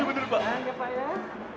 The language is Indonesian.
iya bener pak